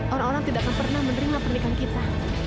orang orang tidak akan pernah menerima pernikahan kita